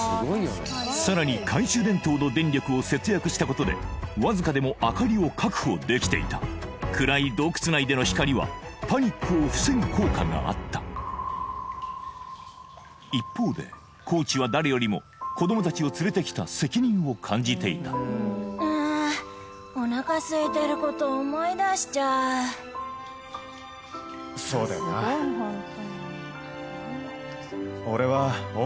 さらに懐中電灯の電力を節約したことでわずかでも明かりを確保できていた暗い洞窟内での光はパニックを防ぐ効果があった一方でコーチは誰よりも子ども達を連れてきた責任を感じていたそうだよなすると子ども達はなっ！